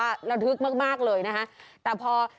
เชื่อขึ้นเร็ว